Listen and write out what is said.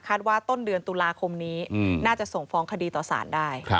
ว่าต้นเดือนตุลาคมนี้น่าจะส่งฟ้องคดีต่อสารได้